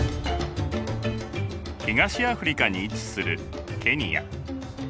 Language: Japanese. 東アフリカに位置するケニア。